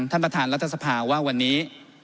ท่านประธานรัฐสภาว่าวันนี้